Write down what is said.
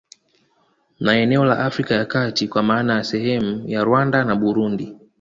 Na eneo la Afrika ya kati kwa maana ya sehemu ya Rwanda na Burundi